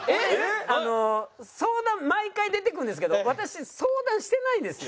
俺相談毎回出てくるんですけど私相談してないんですよ。